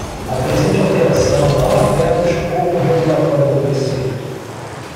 A presente alteração não afeta o escopo regulatório do preceito.